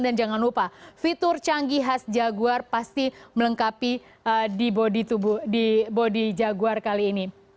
dan jangan lupa fitur canggih khas jaguar pasti melengkapi di bodi jaguar kali ini